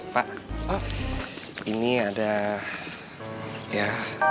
pak ini ada ya